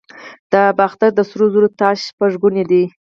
د باختر د سرو زرو تاج شپږ ګونی دی